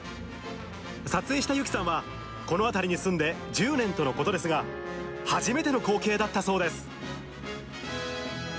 撮影したゆきさんは、この辺りに住んで１０年とのことですが、初めての光景だったそうです。